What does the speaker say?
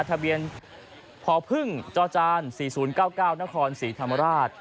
ทะเบียนพพึ่งจจาน๔๐๙๙นศรีธรรมราช